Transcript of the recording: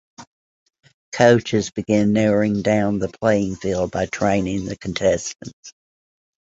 Coaches began narrowing down the playing field by training the contestants.